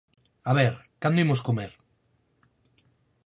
A ver, cando imos comer?